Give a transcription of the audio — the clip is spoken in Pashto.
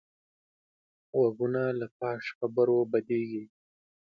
غوږونه له فحش خبرو بدېږي